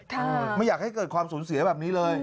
ไม่อยากให้เกิดความสูญเสียแบบนี้เลย